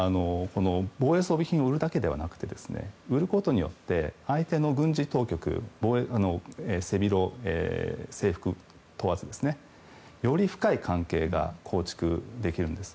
防衛装備品を売ることだけじゃなく売ることによって相手の軍事当局背広、制服問わずより深い関係が構築できるんです。